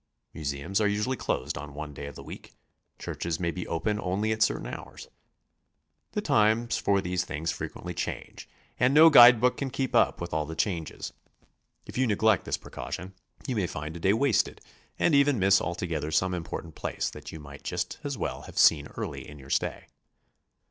Museums are usually closed on one day of the week; churches may be open only at certain hours. The times for these things frequently change, and no guide book can keep up with all the changes. If you neglect this precaution, you may find a day wasted, and even miss altogether seme important place that you might just as well have seen early in your stay.